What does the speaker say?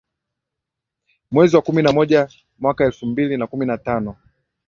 mwezi wa kumi na moja mwaka elfu mbili na kumi na tano